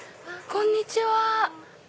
こんにちは。